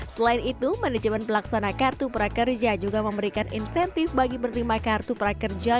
selain itu manajemen pelaksana kartu prakerja juga memberikan insentif bagi penerima kartu prakerja